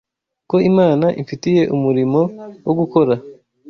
ko Imana imfitiye umurimo wo gukora